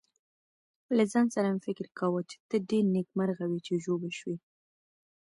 له ځان سره مې فکر کاوه چې ته ډېر نېکمرغه وې چې ژوبل شوې.